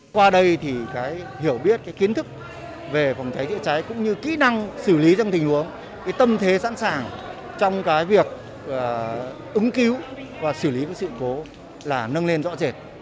qua đây thì cái hiểu biết kiến thức về phòng cháy chữa cháy cũng như kỹ năng xử lý trong tình huống cái tâm thế sẵn sàng trong cái việc ứng cứu và xử lý sự cố là nâng lên rõ rệt